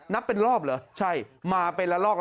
นับเป็นรอบเหรอใช่มาเป็นละลอก